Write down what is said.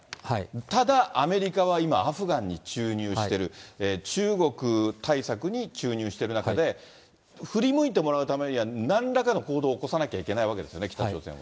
ただアメリカは今、アフガンに注入してる、中国対策に注入している中で、振り向いてもらうためには、なんらかの行動を起こさなきゃいけないわけですよね、北朝鮮は。